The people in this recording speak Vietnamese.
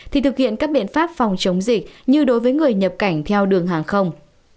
thì thực hiện các biện pháp phòng chống dịch như đối với người nhập cảnh theo đường hàng không